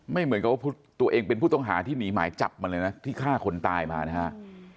เหมือนกับว่าตัวเองเป็นผู้ต้องหาที่หนีหมายจับมาเลยนะที่ฆ่าคนตายมานะครับ